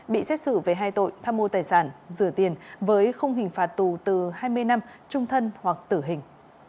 bị xét xử về hai tội tham mô tài sản rửa tiền với không hình phạt tù từ hai mươi năm trung thân hoặc tử hình